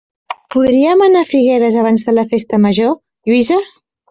Podríem anar a Figueres abans de la festa major, Lluïsa?